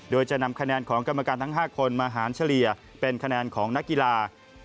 โดยจะนำคะแนนของกรรมการทั้ง๕คนมาหารเฉลี่ยเป็นคะแนนของนักกีฬา